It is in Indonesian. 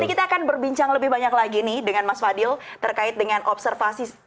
nanti kita akan berbincang lebih banyak lagi nih dengan mas fadil terkait dengan observasi